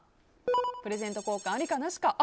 プレゼント交換、ありかなしか。